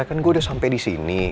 malah kan gue udah sampe disini